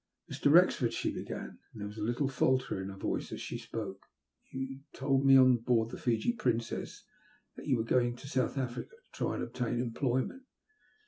'' Mr. Wrexford," she began, and there was a little falter in her voice as she spoke, ''you told me on board the Fiji Princess that you were going to South Africa to try and obtain employment.